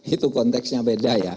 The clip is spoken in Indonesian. itu konteksnya beda ya